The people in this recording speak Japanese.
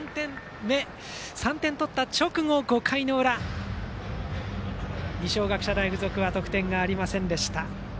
３点取られた直後、５回裏には二松学舎大付属は得点がありませんでした。